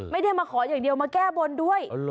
ไม่ได้มาขออย่างเดียวมาแก้บนด้วย